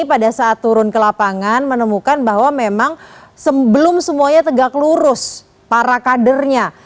pada saat turun ke lapangan menemukan bahwa memang sebelum semuanya tegak lurus para kadernya